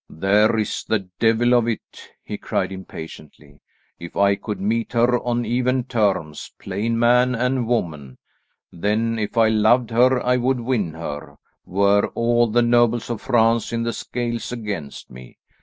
"There is the devil of it," he cried impatiently. "If I could meet her on even terms, plain man and woman, then if I loved her I would win her, were all the nobles of France in the scales against me.